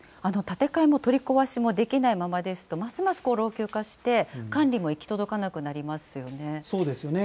建て替えも取り壊しもできないままですと、ますます老朽化して、管理も行き届かなくなりますよね。